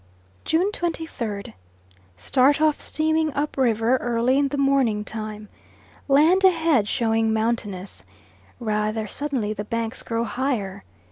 June 23rd. Start off steaming up river early in the morning time. Land ahead showing mountainous. Rather suddenly the banks grow higher.